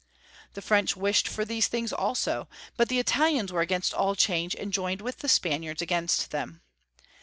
The French wished for these tilings also, but the Italians were against all change and joined with the Spaniards against them.